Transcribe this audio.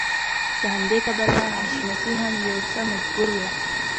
له همدې کبله حشمتی هم يو څه مجبور و.